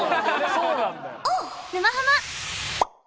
そうなんだよ。